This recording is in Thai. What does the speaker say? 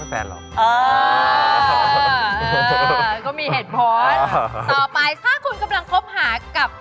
ต่อไปถ้าคุณกำลังคบหากับ